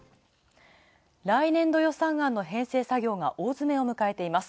来年度予算案の編成作業が大詰めを迎えています。